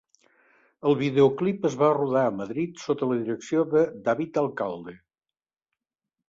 El videoclip es va rodar a Madrid sota la direcció de David Alcalde.